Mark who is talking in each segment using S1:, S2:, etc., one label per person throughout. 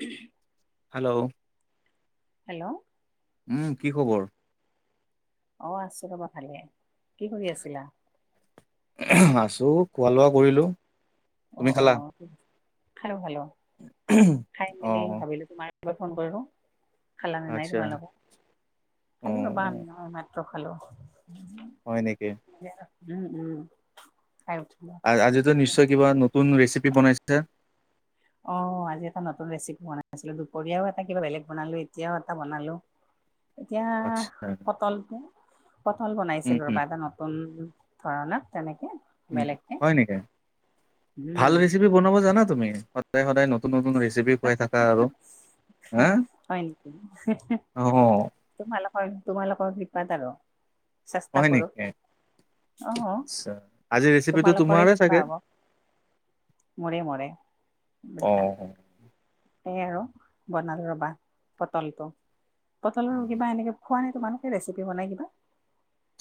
S1: উ
S2: hello.
S1: Hello
S2: উম কি খবৰ?
S1: অ আছো ৰ'বা ভালে কি কৰি আছিলা?
S2: আছোঁ খোৱা লোৱা কৰিলোঁ।
S1: অ অ ঠিক খালো খোলো খাই
S2: অ
S1: মেলি ভাবিলো তোমাৰ। ফোন কৰিলোঁ। খালা নে নাই
S2: আচ্ছা
S1: তোমালোকে
S2: অ
S1: খালো ৰ'বা আমি হয় ভাত মাত্ৰ খালোঁ।
S2: হয় নেকি?
S1: উম উম খাই।
S2: আজিতো নিশ্চয় কিবা নতুন ৰেচিপি বনাইছা?
S1: অ আজি এটা নতুন ৰেচিপি বনাইছিলো দুপৰীয়াও এটা কিবা বেলেগ বনালো এতিয়াও এটা বনালো। [inaudible] এতিয়া
S2: আচ্ছা
S1: পটল পটল
S2: উম
S1: বনাইছিলো
S2: হম
S1: ৰবা এটা নতুন। ধৰণাক তেনেকে।
S2: উ
S1: বেলেগকে
S2: হয় নেকি ভাল
S1: উম
S2: ৰেচিপি বনাব জানা তুমি সদায় সদায় নতুন নতুন ৰেচিপি। খুৱাই থাকা আৰু হা
S1: হয় নেকি।
S2: অ
S1: তোমালোকৰ তোমালোকৰ ভৃপাদাৰ চেষ্টা
S2: হয়
S1: কৰো।
S2: নেকি
S1: অ
S2: আচ্ছা আজি ৰেচিপিটো
S1: তোমালোকৰে
S2: তোমাৰে চাগে
S1: কৃপা আক। মৰে মৰে।
S2: অ
S1: সেয়ে আৰু বনালো ৰবা পটলটো। পটলৰ কিবা এনেকে খোৱা নাই তোমালোকে ৰেচিপি বনাই কিবা।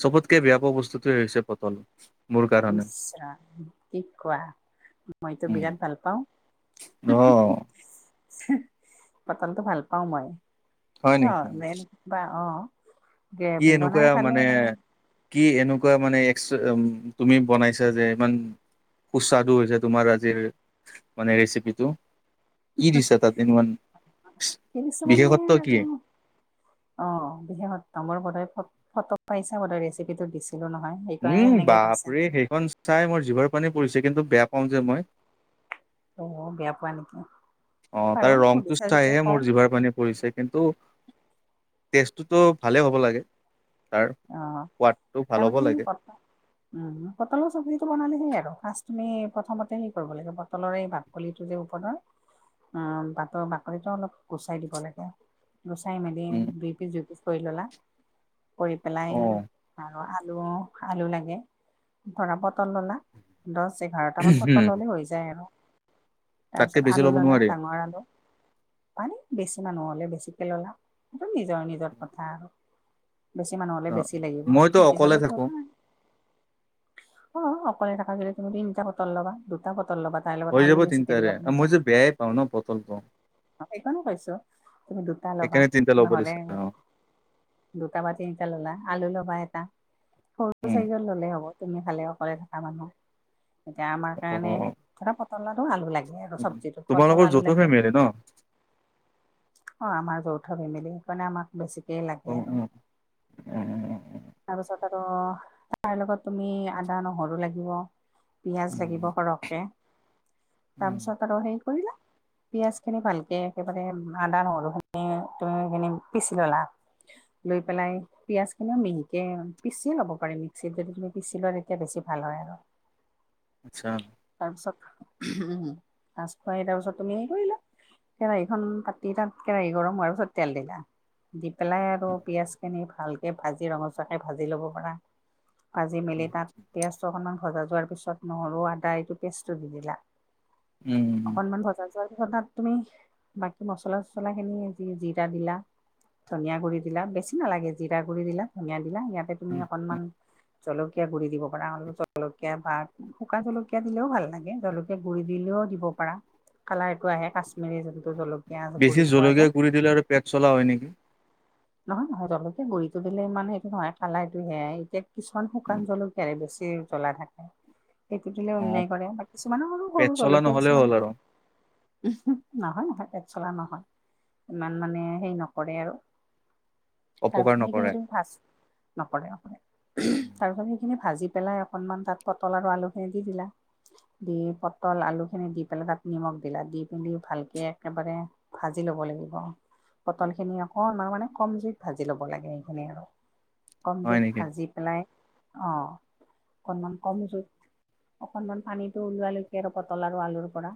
S2: চবতকে বেয়া পোৱা বস্তুটোৱে হৈছে পটল। মোৰ কাৰণে
S1: ইছ ৰাম কি কোৱা মইতো
S2: উম,
S1: বিৰাট ভাল পাওঁ।
S2: অ।
S1: পটলটো ভাল পাও মই
S2: হয়
S1: কিয়
S2: নেকি
S1: বে বা অ অ
S2: কি
S1: গেভি বনাই
S2: এনেকুৱা
S1: খালে
S2: মানে
S1: নে
S2: কি এনেকুৱা মানে এক তুমি বনাইছা যে ইমান সুস্বাদু হৈছে তোমাৰ আজিৰ মানে ৰেচিপিটো। কি দিছে তাত ইমান
S1: কিনিছো মানে
S2: বিশেষত্ব
S1: আৰু
S2: কি?
S1: অ বিশেষত্ব মোৰ ফটো পাইছা বানোৱা ৰেচিপিটো দি ছিলো নহয় সেইকাৰণে
S2: উম
S1: সেনেকে পাইছা
S2: বাপৰে সেইখন চাই মোৰ জিভৰ পানী পৰিছে কিন্তু বেয়া পাওঁ যে মই
S1: অ বেয়া পোৱা নেকি?
S2: অ
S1: বাৰু
S2: তাৰ ৰংটো
S1: সুধিছা যেতিয়া
S2: চাইহে
S1: কওঁ
S2: মোৰ জিভাৰ পানী পৰিছে কিন্তু। টেষ্টটোতো ভালেই হ'ব লাগে তাৰ
S1: অ
S2: সোৱাদটো ভাল হ'ব লাগে।
S1: তাৰমানে উম পটলৰ চব্জিটো বনালে হে আৰু ফাষ্ট তুমি প্ৰথমতে সেই কৰিব লাগে বটলৰেই বাক। কলিটো যে ওপৰৰ উ বাটৰ বাকলিটো অলপ গুচাই দিব লাগে। গুচাই মেলি
S2: উম
S1: দুই পিচ দুই পিচ কৰি ল'লা কৰি পেলাই
S2: অ
S1: আৰু আলু আলু লাগে ধৰা পটল ল'লা দহ এঘাৰটামান
S2: উম,
S1: পটল ললে হৈ যায় আৰু
S2: তাতকে
S1: তাৰপিছত
S2: বেছি
S1: আলু
S2: ল'ব
S1: ল'লা
S2: নোৱাৰি
S1: ডাঙৰ আলু পাৰি বেছি মানুহ হ'লে বেছিকে ল'লা সেইটো নিজৰ নিজৰ কথা আৰু বেছি মানুহ হ'লে
S2: অ
S1: বেছি লাগিব
S2: মইতো
S1: সেই
S2: অকলে
S1: হিচাপত
S2: থাকো
S1: লবা অ অকলে থকা কিলে তুমি তিনিটা পটল ল'বা দুটা পটল ল'বা তাৰ লগত
S2: হৈ
S1: আলু
S2: যাব
S1: বেছিকে দিবা
S2: তিনিটাৰে আৰু মই যে বেয়াই পাওঁ ন পটলটো
S1: এইকাৰণে কৈছো তুমি দুটা লবা
S2: সেইকাৰণে তিনটা ল'ব
S1: নহলে
S2: দিছে অ
S1: দুটা বা তিনিটা ললা আলু লবা এটা সৰু
S2: উম
S1: চাইজত ললে হ'ব তুমি খালে অকলে থকা মানুহ এতিয়া আমাৰ
S2: অ
S1: কাৰণে ধৰা পটল আৰু আলু লাগে আৰু
S2: উম,
S1: চব্জিটো
S2: তোমালোকৰ
S1: পটল আলু
S2: যৌথ
S1: লাগে
S2: ফেমিলি ন
S1: অ আমাৰ যৌথ ফেমিলি সেইকাৰণে আমাক বেছিকেই
S2: অ
S1: লাগে আৰু
S2: অ অ
S1: তাৰপিছত আৰু তাৰ লগত তুমি আদা নহৰু লাগিব পিয়াজ
S2: উ
S1: লাগিব সৰহকে তাৰপিছত আৰু হে কৰিলা পিয়াজখিনি ভাল কে একেবাৰে আদা নহৰুখিনি তুমিখিনি পিচি ল'লা লৈ পেলাই পিয়াজখিনিও মিহিকে পিচিয়ে ল'ব পাৰ মিক্সিত যদি তুমি পিচি লোৱা তেতিয়া বেছি ভাল হয় আৰু। [inaudible]
S2: আচ্ছা।
S1: তাৰপিছত উ মাছ খুৱাই তাৰপিছত তুমি হেৰি কৰিলা কেৰাহীখন পাতি তাত কেৰাহী গৰম হোৱাৰ পিছত তেল দিলা দি পেলাই আৰু পিঁয়াজখিনি ভালকৈ ভাজি ৰঙচুৱাকৈ ভাজি ল'ব পাৰা। ভাজি মেলি তাত পিঁয়াজটো অকণমান ভজা যোৱাৰ পিছত নহৰু, আদা এইটো পেষ্টটো দি দিলা,
S2: উম উম।
S1: অকনমান ভজা হোৱাৰ পিছত তাঁত তুমি বাকী মছলা - চছলাখিনি যি জিৰা দিলা ধনিয়াগুৰি দিলা, বেছি নালাগে জিৰা গুৰি দিলা, ধনিয়া দিলা ইয়াতে তুমি অকনমান জলকীয়া গুৰি দিব পাৰা, অলপ জলকীয়া বা শুকান জলকীয়া দিলেও ভাল লাগে জল কে গুৰি দিলেও দিব পাৰা, কালাৰটো আহে কাশ্মিৰী যোনটো জল
S2: বেছি জলকীয়া গুৰি দিলে আৰু পেট চলা হয় নেকি?
S1: নহয় নহয় জলকীয়া গুৰিটো দিলে ইমান সেইটো নহয় কালাটো সেয়াই এতিয়া কিছুমান শুকান জলকীয়াৰে বেছি জ্বলা থাকে। সেইটো দিলে
S2: অ
S1: অন্যায় কৰে বা কিছুমান সৰু সৰু
S2: পেট চলা
S1: জলকীয়া
S2: নহ'লেও
S1: কিছুমান
S2: হ'ল আৰু
S1: উমহু নহয়। থা পেট চলা নহয়, ইমান মানে হেৰি নকৰে আৰু
S2: অপকাৰ
S1: তাৰপিছত সেইখিনি
S2: নকৰে
S1: তুমি ভাজ নকৰে - নকৰে, উহু তাৰপিছত সেইখিনি ভা ভাজি পেলাই অকণমান তাত পটল আৰু আলুখিনি দি দিলা দি পটল আলুখিনি দি পেলাই তাত নিমখ দিলা, দি পিনি ভালকে একেবাৰে ভাজি ল'ব লাগিব। পটলখিনি অকণমান মানে কম জুইত ভাজি লব লাগে সেইখিনি আৰু, কম
S2: হয়
S1: জুইত
S2: নেকি
S1: ভাজি পেলাই অঁ, অকণমান কম জুইত অকণমান পানীটো ওলোৱালৈকে আৰু বটল আৰু আলুৰপৰা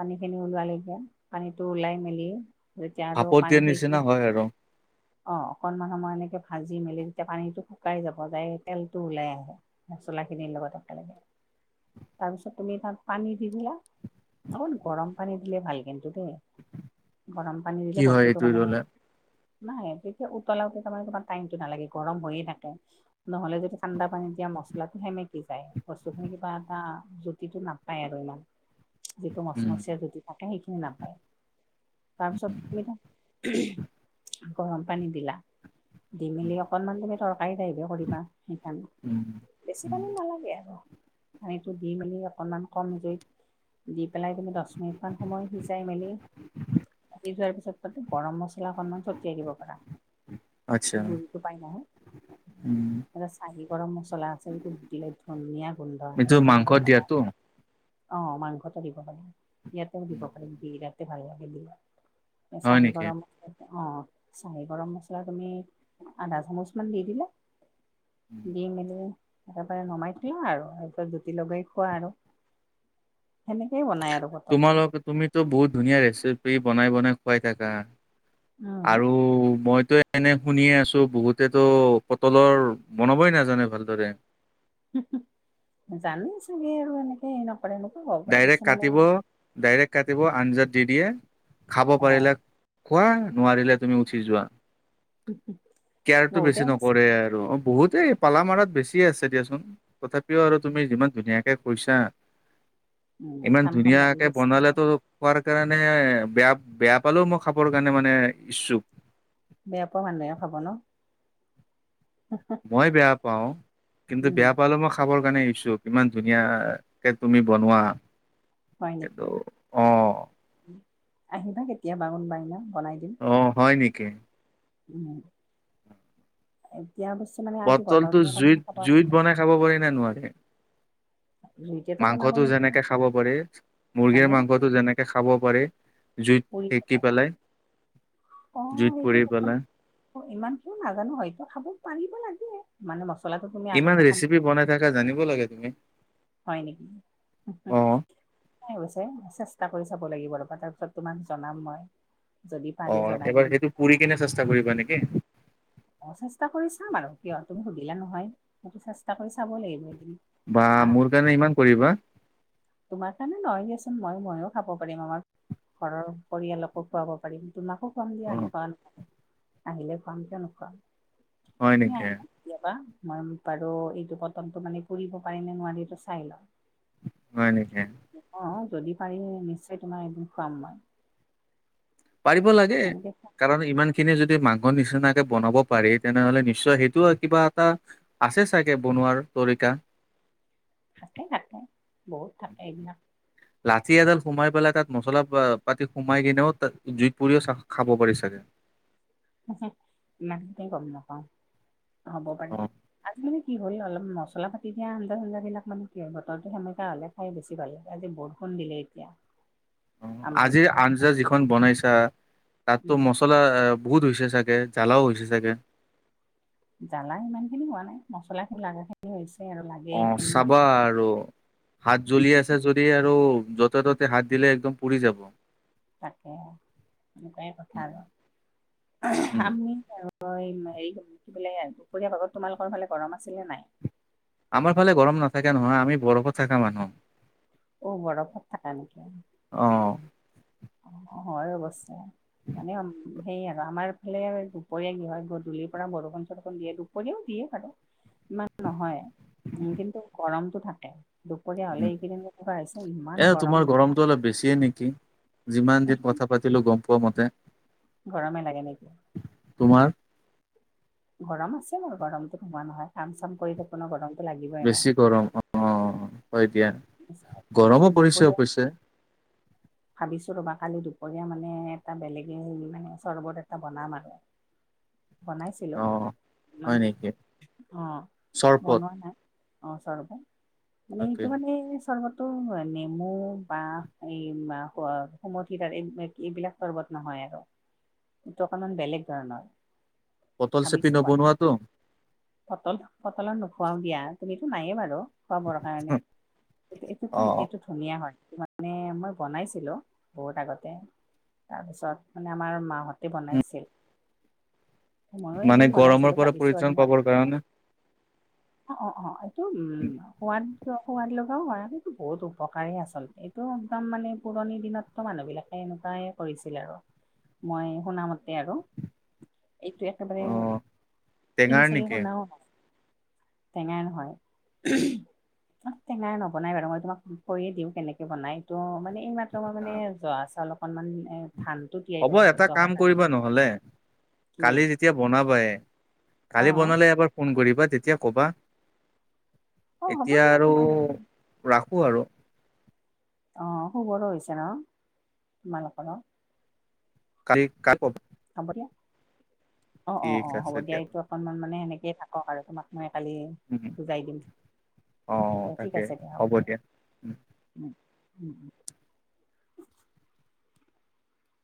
S1: পানীখিনি ওলোৱালৈকে পানীটো ওলাই মেলি যেতিয়া আৰু
S2: ভাপত
S1: পানী
S2: দিয়াৰ নিচিনা
S1: সেই
S2: হয় আৰু
S1: অ অকনমান সময় এনেকে ভাজি মেলি তেতিয়া পানীটো শুকাই যাব যায় তেলটো ওলাই আহে। মচলাখিনিৰ লগত একেলগে। তাৰ পিছত তুমি তাত পানী দি দিলা, অকন গৰম পানী দিলে ভালকে টোতে, গৰম পানী
S2: কি
S1: দিলে
S2: হয়
S1: বস্তুটো
S2: এইটো
S1: মানে
S2: ললে
S1: নাই তেতিয়া উতলা - উতলা তাৰমানে টাইমটো নালাগে গৰম হৈয়ে থাকে। নহলে যদি ঠাণ্ডা পানী দিয়া মছলাটো সেমেকি যায়। বস্তুখিনি কিবা এটা জুতিটো নাপায় আৰু ইমান। যিটো
S2: উম
S1: মচমচীয়া যদি থাকে সেইখিনি না তাৰপিছত তুমি উহু গৰম পানী দিলা দি মেলি অকণমান তুমি তৰকাৰী দ আহিবে কৰিবা সেইকাৰণে।
S2: হু।
S1: বেছি পানী নালাগে আৰু পানীটো দি মেলি অকনমান কম জুইত দি পেলাই তুমি দছ মিনিট মান সময় আহিছ চাই মেলি, কাটি যোৱাৰ পিছত তাতে গৰম মছলাখননমান ছটিয়াই দিব পাৰা।
S2: আচ্ছা
S1: গুৰিটো পাই নহয়,
S2: উম
S1: এ চাহি গৰম মছলা আছে সেইটো তিলত ধনিয়া গোন্ধ আহে
S2: এইটো
S1: সেইটো দিব
S2: মাংসত
S1: পাৰা,
S2: দিয়াতো
S1: অ' মাংসটো দিব পাৰা। ইয়াতেও দিব পাৰে নেকি ইয়াতে ভাল লাগে দা
S2: হয়
S1: চাহী
S2: নেকি
S1: গৰম [inaudible] অ' চাহি গৰম মছলা তুমি আধা চামুচমান দি দিলা দি মেলি তাৰে পৰা নমাই থেলো আৰু তাৰপিছত জুতি লগাই খোৱা আৰু। সেনেকেই বনায়।
S2: তোমালোক তুমিতো বহুত ধুনীয়া ৰেচিপি বনাই বনাই খুৱাই থাকা।
S1: উম
S2: আৰু মইতো এনে শুনিয়ে আছো বহুতেতো পটলৰ বনাবই নাজানে ভালদৰে।
S1: হুহু, জানি চাগে আৰু এনেকে হ নকৰে এনেকুৱা হব পাৰে
S2: ডাইৰেক্ট
S1: কিছুমানে
S2: কাটিব ডাইৰেক্ট কাটিব আঞ্জাত দি দিয়ে, খাব
S1: অ
S2: পাৰিলে খোৱা নোৱাৰিলে তুমি উঠি যোৱা। কেয়াৰ টো
S1: বহুতে
S2: বেছি নকৰে আৰু অ' বহুতেই। পালামাৰত বেছি আছে দিয়াচোন তথাপিও আৰু
S1: আছে
S2: তুমি যিমান ধুনীয়াকে কৈছা।
S1: উম,
S2: ইমান
S1: খাম খাম লাগি
S2: ধুনীয়াকে
S1: গৈছে
S2: বনালেতো। খোৱাৰ কাৰণে বেয়া বেয়া পালেও মই খাবৰ কাৰণে মানে ইচ্ছুক।
S1: বেয়া পোৱা ভালহে খাব ন'
S2: মই বেয়া পাওঁ কিন্তু
S1: উম,
S2: বেয়া পালে মই। খাবৰ কাৰণে এৰিছোঁ কিমান ধুনীয় কে তুমি বনোৱা।
S1: হয় নেকি
S2: এইটো অ
S1: আহিবা কেতিয়াবা কোনোবা এদিনা বনাই দিম।
S2: অ' হয় নেকি?
S1: উ, এতিয়া অৱশ্যে মানে আজি বতৰতে অকণমান খাব কণ।
S2: কব পাৰে নে নোৱাৰে?
S1: জুইতেতো বনাব
S2: মাংসতটো
S1: লাগিব
S2: যেনেকে খাব পাৰি মুৰ্গীৰ
S1: মানে
S2: মাংসটো যেনেকে। খাব পাৰি জুইত সেকি পেলাই
S1: অ',
S2: জুইত
S1: সেইটো
S2: পুৰি পেলাই।
S1: ইমান খিনি নাজানো হয়তো খাব পাৰিব লাগে মানে মছলাটো।
S2: ইমান
S1: আগতে সানি
S2: ৰেচিপি বনাই থাককা জানিব লাগে তুমি।
S1: হয় নেকি?
S2: অ
S1: চেষ্টা কৰি চাব লাগিব ৰবা তাৰপিছত তোমাক জনাম মই। যদি
S2: অ
S1: পানী জ্বনাই
S2: এবাৰ
S1: দিম।
S2: সেইটো পুৰি কিনে চেষ্টা কৰিবা নেকি?
S1: অ' চেষ্টা কৰি চাম আৰু কিয় তুমি সুধিলা নহয় সেইটো চেষ্টা কৰি চাব লাগিব এদিন
S2: বা
S1: আ
S2: মোৰ কাৰণে ইমান কৰিবা
S1: তোমাৰ কাৰণে নহয় দিয়চোন মই ময়ো খাব পাৰিম আমাৰ। ঘৰৰ পৰিয়ালকো খুৱাব পাৰিম তোমাকো। খুৱাম দিয়া
S2: অ
S1: নোখোৱা নহয়। আহিলে খুৱাম কিয় নুখুৱাম
S2: হয়
S1: তুমি
S2: নেকি
S1: আহিবা। কেতিয়াবা মই বাৰু এইটো বটনটো মানে পুৰিব পাৰি নে নোৱাৰি এইটো চাই লওঁ।
S2: হয়, নেকি।
S1: অ 'যদি পাৰি নিশ্চয় তোমাৰ এদিন খুৱাম মই
S2: পাৰিব লাগে
S1: এনেকে
S2: কাৰণ ইমান। খিনি যদি মাংস নিচিনাকে বনাব পাৰি তেনেহলে নিশ্চয় সেইটো কিবা এটা। আছে চাগে বনোৱাৰ তৰিকা।
S1: থাকে থাকে বহুত থাকে এইদিনা।
S2: লাঠি এডাল সোমাই পেলাই তাত মছলা পাতি সোমাই কিনেও তাত জুইত পৰিও খাব পাৰি চাগে।
S1: মতে গম নাপাও হব পাৰে।
S2: অ',
S1: আজি মানে কি হ'ল অলপ মছলা পাতি দিয়া আঞ্জা চঞ্জাবিলাক মানে কি বতৰো সেমেকা হ'লে। খাই বেছি ভাল লাগে আজি বৰষুণ দিলে এতিয়া।
S2: অ'
S1: আমাৰ
S2: আজিৰ
S1: ইয়াতে
S2: আঞ্জা যিখন বনাইছা
S1: উম
S2: তাতো মছলা। বহুত হৈছে চাগে জ্বালাও হৈছে চাগে।
S1: জ্বালা ইমান খিনি হোৱা নাই মছলা খিনি লাগা। হৈছে আৰু লাগে।
S2: অ'
S1: এইখিনি ন
S2: চাবা আৰু। হাত জ্বলি আছে যদি আৰু য'তে ত'তে হাত দিলে একদম পুৰি যাব।
S1: তাকে এনেকুৱাই
S2: উম,
S1: কথা আৰু
S2: উম,
S1: আমি আৰু। হেৰি কি বোলে দুপৰীয়া ভাগত তোমালোকৰ ফালে গৰম আছিলে নাই।
S2: আমাৰ ফালে গৰম নাথাকে নহয় আমি বৰফত থকা মানুহ।
S1: অ ' বৰফত থাকা নেকি?
S2: অ'
S1: অ' হয় অৱশ্যে। সেয়ে আৰু আমাৰ ফালে দুপৰীয়া কি হয়, গধূলিৰ পৰা বৰষুণ চৰষুণ দিয়ে দুপৰীয়াও দিয়ে বাৰু। ইমান নহয় উম, কিন্তু গৰমটো থাকে। দুপৰীয়া হলে
S2: উম,
S1: এইকেইদিন [unintelligible] ছে
S2: এ
S1: ইমান
S2: তোমাৰ
S1: গৰম দিনত।
S2: গৰমটো অলপ বেছিয়ে নেকি যিমান দিন কথা পাতিলোঁ গম পোৱা মতে।
S1: গৰমে লাগে নেকি?
S2: তোমাৰ?
S1: গৰম আছে বাৰু গৰমটো নোহোৱা নহয় কাম চাম কৰি থাকো। [unintelligible] গৰমতো লাগিব।
S2: বেছি গৰম অ, অ, হয় দিয়া গৰমো পৰিছে অৱশ্যে।
S1: ভাবিছোঁ ৰবা কালি দুপৰীয়া মানে এটা বেলেগে হেৰি মানে চৰ্বত এটা বনাম আৰু। বনাইছিলোঁ
S2: অ
S1: ইমান
S2: হয় নেকি
S1: অ,
S2: চৰবত
S1: বনোৱা নাই। অ, চৰ্বত মানে
S2: অকে
S1: এইটো মানে চৰ্বত টো নেমু বা এই সুমথিৰাৰ এই- এইবিলাক চৰ্বত নহয় আৰু। এইটো অকণমান বেলেগ ধৰণৰ
S2: বটল
S1: ভাবিছ
S2: চেপি
S1: [unintelligible]
S2: নবনোৱাটো
S1: ফটল- ফটলৰ নোখুৱাও দিয়া তুমিতো নায়ে বাৰু। খোৱাবৰ কাৰণে
S2: অ
S1: এই- এইটোটো ধুনীয়া হয় মানে মই বনাইছ ছিলোঁ বহুত আগতে তাৰপিছত মানে আমাৰ মাহঁতে বনাইছিল অ, ময়ো
S2: মানে
S1: এদিন
S2: গৰমৰ
S1: বনাইছিলোঁ
S2: পৰা
S1: ভাবিছোঁ আৰু
S2: পৰিত্ৰাণ
S1: [unintelligible]
S2: পাবৰ কাৰণে
S1: অ', অ', অ', এইটো উম সোৱাদ। এইটো অ সোৱাদ লগাও হয় এইটো বহুত উপকাৰেই আচলতে এইটো একদম মানে পুৰণি দিনততো মানুহ বিলাকে এনেকুৱাই কৰিছিল আৰু মই শুনা মতে আৰু। এইটো একেবাৰে
S2: অ
S1: তুমি
S2: টেঙাৰ
S1: চাগে
S2: নেকি
S1: শুনাও টেঙা নহয় অহ, টেঙাই নবনাই বাৰু মই তোমাক কৈয়ে দিওঁ কেনেকে বনাই এইটো মানে এই মাত্ৰ মই
S2: অ
S1: মানে জহা চাউল অকণমান ধানটো তিয়াই থব লাগে জহা ধান যে
S2: হ'লে
S1: কি
S2: কালি যেতিয়া বনাবাই
S1: অ
S2: কালি বনালে এবাৰ ফোন কৰিবা তেতিয়া ক'বা
S1: অ হ'ব
S2: এতিয়া
S1: দিয়া
S2: আৰু
S1: তোমাৰ
S2: ৰাখো আৰু।
S1: অ, শুবৰো হৈছে ন' তোমালোকৰ?
S2: কালি কা প
S1: হ'ব দিয়া অ', অ',
S2: ঠিক
S1: অ', হ'ব
S2: আছে
S1: দিয়া এইটো অকণমান মানে এনেকে থাকক আৰু তোমাক মই কালি
S2: উম,
S1: বুজাই দিম অ, ঠিক আছে দিয়া হ'ব দিয়া। উম - উম - উম